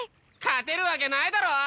勝てるわけないだろ！